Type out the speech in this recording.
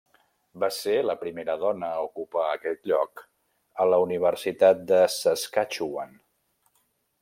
Va ser la primera dona a ocupar aquest lloc a la Universitat de Saskatchewan.